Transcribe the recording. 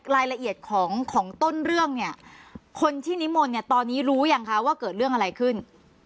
รายละเอียดของของต้นเรื่องเนี่ยคนที่นิมนต์เนี่ยตอนนี้รู้ยังคะว่าเกิดเรื่องอะไรขึ้น